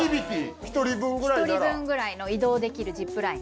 １人分ぐらいの移動できるジップライン。